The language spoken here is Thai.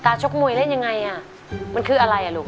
ชกมวยเล่นยังไงอ่ะมันคืออะไรอ่ะลูก